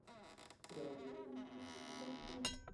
এটি আমার ক্যারিয়ারের প্রথম বছর, যার পুরো সময় কাটাতে হয়েছে বেঞ্চে।